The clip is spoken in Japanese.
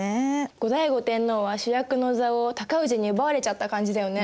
後醍醐天皇は主役の座を尊氏に奪われちゃった感じだよね。